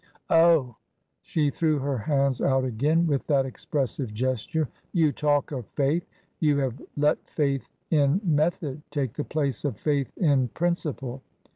" Oh !"— she threw her hands out again with that ex pressive gesture —" you talk of faith ! You have let faith in method take the place of faith in principle